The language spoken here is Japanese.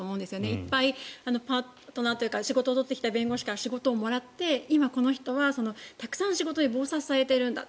いっぱいパートナーというか仕事を取ってきた弁護士から仕事をもらって今、この人はたくさん仕事で忙殺されているんだ。